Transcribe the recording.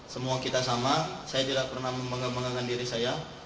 semua kita sama saya tidak pernah membangga membanggakan diri saya